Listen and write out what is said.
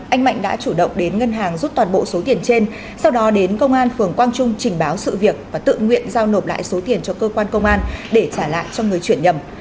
anh mạnh đã chủ động đến ngân hàng rút toàn bộ số tiền trên sau đó đến công an phường quang trung trình báo sự việc và tự nguyện giao nộp lại số tiền cho cơ quan công an để trả lại cho người chuyển nhầm